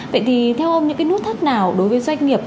vậy thì theo ông những cái nút thắt nào đối với doanh nghiệp